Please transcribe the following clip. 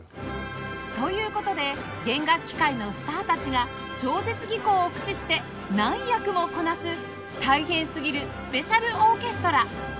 という事で弦楽器界のスターたちが超絶技巧を駆使して何役もこなす大変すぎるスペシャルオーケストラ